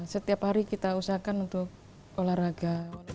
setiap hari kita usahakan untuk olahraga